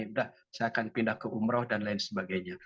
sudah saya akan pindah ke umroh dan lain sebagainya